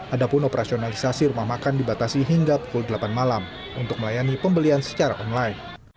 adapun operasionalisasi rumah makan dibatasi hingga pukul delapan malam untuk melayani pembelian secara online